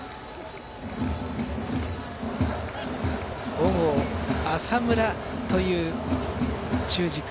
小郷、浅村という中軸。